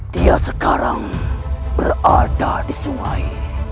dia sekarang berada di sungai